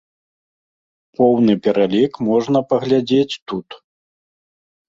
Поўны пералік можна паглядзець тут.